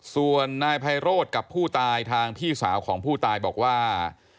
ส่วนนายไพโรธกับผู้ตายทางพี่สาวของผู้ตายบอกว่า